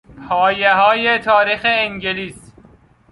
پایههای تاریخ انگلیس